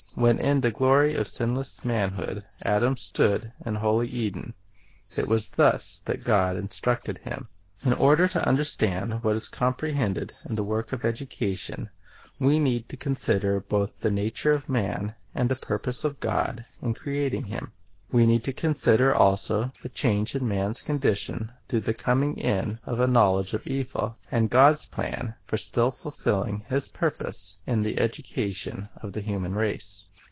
When in the glory of sinless manhood Adam stood in holy Eden, it was thus that God instructed him. In order to understand what is comprehended in the work of education, we need to consider both the nature of man and the purpose of God in creating him. We need to consider also the change in man's condition IJob 12:13. "Prov. ': 6. 3 J<>!> 22:21. Source and Aim of True Education 15 through the coming in of a knowledge of evil, and God's plan for still fulfilling His glorious purpose in the education of the human race.